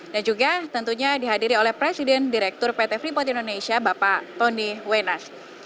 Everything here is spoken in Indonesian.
dan juga tentunya dihadiri oleh presiden direktur pt freeport indonesia bapak tony wenas